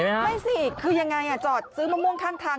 ไม่สิคือยังไงจอดซื้อมะม่วงข้างทาง